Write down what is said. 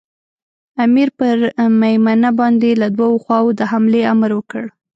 امیر پر مېمنه باندې له دوو خواوو د حملې امر وکړ.